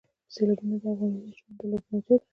سیلابونه د افغان ماشومانو د لوبو موضوع ده.